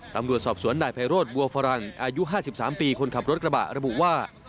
ตำรวจสอบสวนนายไพโรธบัวฝรั่งอายุ๕๓ปีคนขับรถกระบะระบุว่า